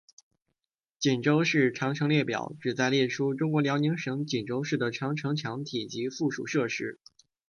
锦州市长城列表旨在列出中国辽宁省锦州市的长城墙体及附属设施。